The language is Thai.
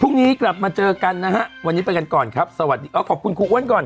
พรุ่งนี้กลับมาเจอกันนะฮะวันนี้ไปกันก่อนครับสวัสดีอ๋อขอบคุณครูอ้วนก่อน